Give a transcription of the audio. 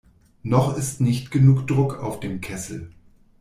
Noch ist nicht genug Druck auf dem Kessel.